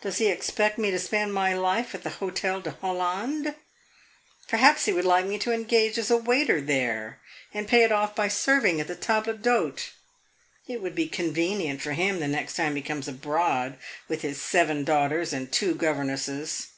Does he expect me to spend the rest of my life at the Hotel de Hollande? Perhaps he would like me to engage as a waiter there and pay it off by serving at the table d'hote. It would be convenient for him the next time he comes abroad with his seven daughters and two governesses.